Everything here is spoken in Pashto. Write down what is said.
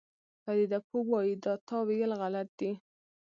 پدیده پوه وایي دا تاویل غلط دی.